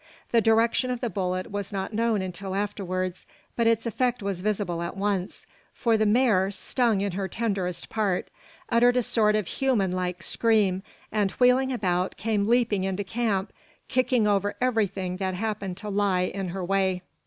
The direction of the bullet was not known until afterwards, but its effect was visible at once; for the mare, stung in her tenderest part, uttered a sort of human like scream, and wheeling about, came leaping into camp, kicking over everything that happened to lie in her way.